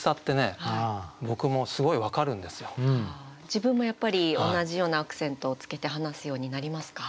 自分もやっぱり同じようなアクセントをつけて話すようになりますか？